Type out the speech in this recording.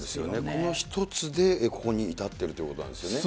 この１つでここに至っているということなんですね。